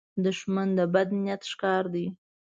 دښمن د بد نیت ښکار دی